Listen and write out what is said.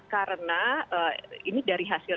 karena ini dari hasil